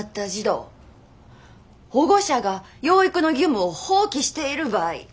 保護者が養育の義務を放棄している場合。